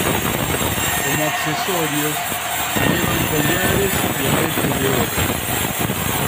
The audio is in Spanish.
Como accesorios llevan collares y aretes de oro.